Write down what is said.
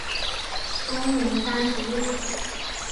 终年三十六岁。